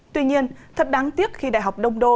tuy nhiên thật đáng tiếc khi đại học đông đô